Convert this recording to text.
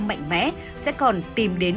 mạnh mẽ sẽ còn tìm đến